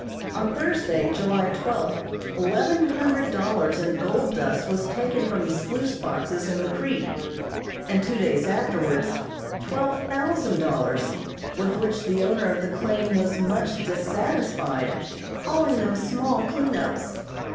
On Thursday, July twelfth, eleven hundred dollars in gold dust was taken from the sluice boxes in the creek, and two days afterwards twelve thousand dollars, with which the owner of the claim was much dissatisfied, calling them small clean ups.